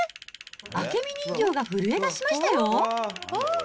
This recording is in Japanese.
明美人形が震えだしましたよ。